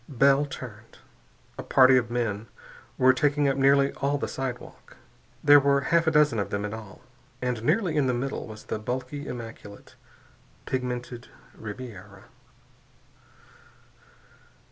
Bell turned. A party of men were taking up nearly all the sidewalk. There were half a dozen of them in all. And nearly in the middle was the bulky, immaculate, pigmented Ribiera.